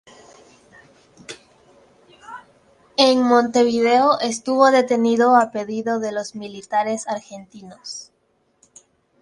En Montevideo estuvo detenido a pedido de los militares argentinos.